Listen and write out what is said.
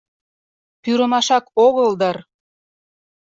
— Пӱрымашак огыл дыр!